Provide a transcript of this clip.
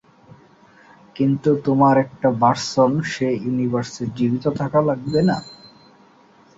কিন্তু তোমার একটা ভার্সন সে ইউনিভার্সে জীবিত থাকা লাগবে না?